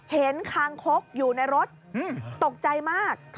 คางคกอยู่ในรถตกใจมาก